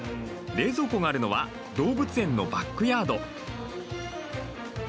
冷蔵庫があるのは動物園のバックヤード。